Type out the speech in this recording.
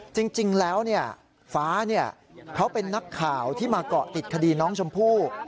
จริงแล้วฟ้าเขาเป็นนักข่าวที่มาเกาะติดคดีน้องชมพู่